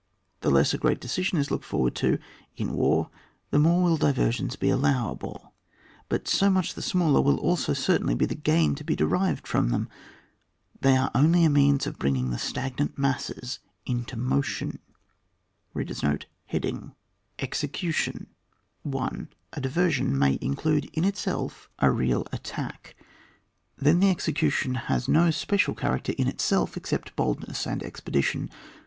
The less a great decision is looked for ward to in war the more will diversions be cdlowable, but so much the smaller will also certainly be the gain to be de rived from them. They are only a means of bringing the stagnant masses into motion. Execution. 1. A diversion may include in itself 34 ON WAR, [book VII. a real attack, then the execution has no special character in itself except boldness and expedition.